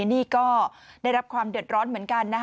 นี่ก็ได้รับความเดือดร้อนเหมือนกัน